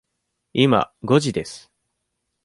今、五時です。